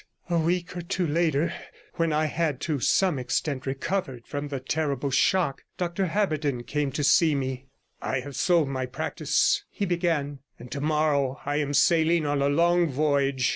A week or two later, when I had to some extent recovered from the terrible shock, Dr Haberden came to see me. 'I have sold my practice,' he began, 'and tomorrow I am sailing on a long voyage.